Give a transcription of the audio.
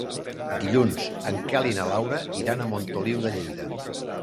Dilluns en Quel i na Laura iran a Montoliu de Lleida.